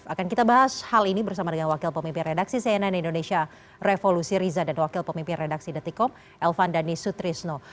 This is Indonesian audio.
akan kita bahas hal ini bersama dengan wakil pemimpin redaksi cnn indonesia revolusi riza dan wakil pemimpin redaksi detikom elvan dhani sutrisno